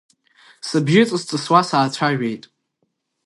Сыбжьы ҵыс-ҵысуа саацәажәеит.